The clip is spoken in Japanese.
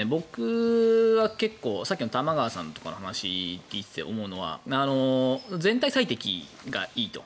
僕は結構さっきの玉川さんとかの話を聞いてて思うのは全体最適がいいと。